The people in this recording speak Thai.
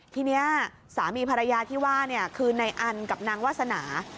ทีนี้สามีภรรยาที่ว่าคือในอันกับนางวาสนา